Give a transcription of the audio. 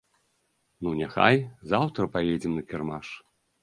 Ну няхай, заўтра паедзем на кірмаш.